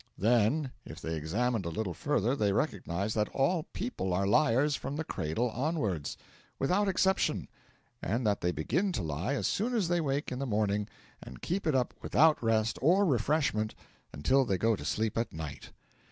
Then, if they examined a little further they recognised that all people are liars from the cradle onwards, without exception, and that they begin to lie as soon as they wake in the morning, and keep it up without rest or refreshment until they go to sleep at night.